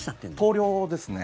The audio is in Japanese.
投了ですね。